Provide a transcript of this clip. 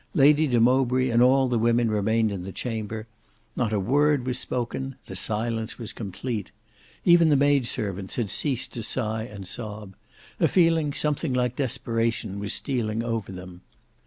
Lady de Mowbray and all the women remained in the chamber. Not a word was spoken: the silence was complete. Even the maid servants had ceased to sigh and sob. A feeling something like desperation was stealing over them.